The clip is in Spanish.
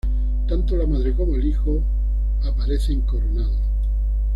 Tanto la madre como el hijo aparecen coronados.